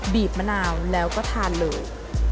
บมะนาวแล้วก็ทานเลย